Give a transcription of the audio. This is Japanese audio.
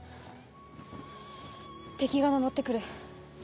敵が登ってくる。